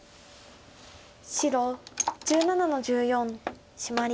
白１７の十四シマリ。